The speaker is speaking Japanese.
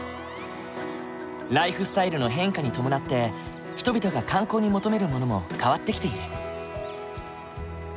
ライフスタイルの変化に伴って人々が観光に求めるものも変わってきている。